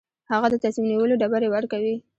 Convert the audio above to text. هغه د تصمیم نیولو ډبرې ورکوي.